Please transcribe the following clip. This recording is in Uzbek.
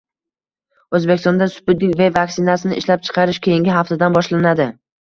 O‘zbekistonda “Sputnik V” vaksinasini ishlab chiqarish keyingi haftadan boshlanadi